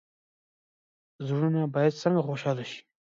زړونه باید څنګه خوشحاله شي؟